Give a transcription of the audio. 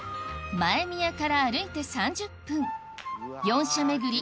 前宮から歩いて３０分四社巡り